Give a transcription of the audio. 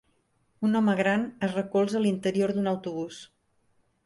Un home gran es recolza a l'interior d'un autobús.